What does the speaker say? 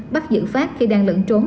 bắt giữ pháp khi đang lẫn trốn